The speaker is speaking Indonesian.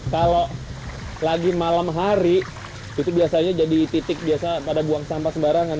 kalau lagi malam hari itu biasanya jadi titik biasa pada buang sampah sembarangan